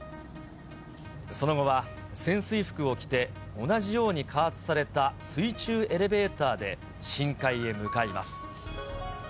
その後は潜水服を着て、同じように加圧された水中エレベーターで深海へ向かいます。